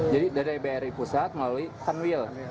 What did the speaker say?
jadi dari bri pusat melalui tanwil